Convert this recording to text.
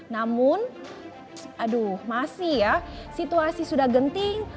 namun aduh masih ya situasi sudah genting